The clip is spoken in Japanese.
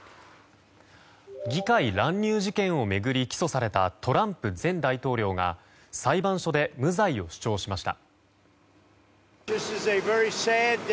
議会乱入事件を巡り起訴されたトランプ前大統領が裁判所で無罪を主張しました。